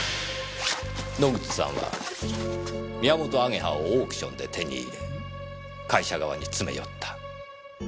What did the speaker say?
野口さんはミヤモトアゲハをオークションで手に入れ会社側に詰め寄った。